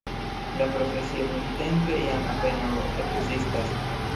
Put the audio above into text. La profesio nuntempe jam apenaŭ ekzistas.